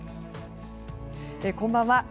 こんばんは。